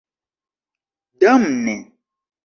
damne